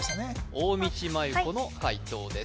大道麻優子の解答です